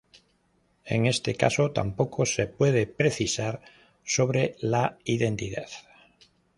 En este caso tampoco se puede precisar sobre la identidad.